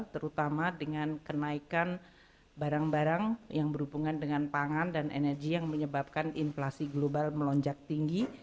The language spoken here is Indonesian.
terutama dengan kenaikan barang barang yang berhubungan dengan pangan dan energi yang menyebabkan inflasi global melonjak tinggi